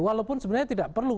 walaupun sebenarnya tidak perlu